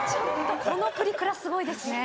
このプリクラすごいですね。